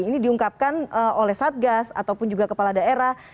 ini diungkapkan oleh satgas ataupun juga kepala daerah